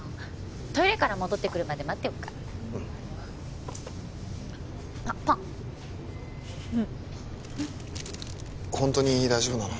トイレから戻ってくるまで待ってよっかうんあっパンホントに大丈夫なの？